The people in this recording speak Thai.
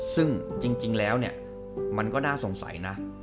ซึ่งจริงแล้วเนี่ยมันก็น่าสงสัยนะ